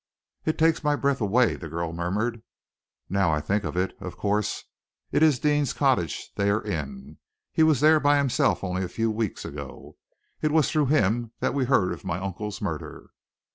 "It takes my breath away," the girl murmured. "Now I think of it, of course, it is Deane's cottage they are in. He was there himself only a few weeks ago. It was through him that we heard of my uncle's murder."